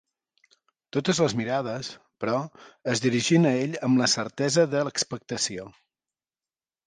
Totes les mirades, però, es dirigien a ell amb la certesa de l'expectació.